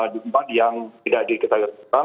jumat yang tidak diketahui